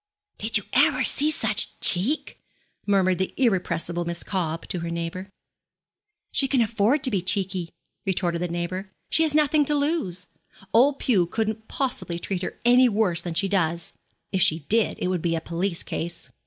'Did you ever see such cheek?' murmured the irrepressible Miss Cobb to her neighbour. 'She can afford to be cheeky,' retorted the neighbour. 'She has nothing to lose. Old Pew couldn't possibly treat her any worse than she does. If she did, it would be a police case.'